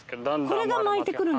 これが巻いてくる？